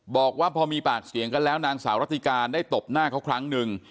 บอกว่าพอมีปากเสียงกันแล้วนางสาวรัติการได้ตบหน้าเขาครั้งหนึ่ง